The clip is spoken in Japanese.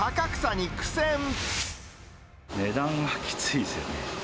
値段がきついですよね。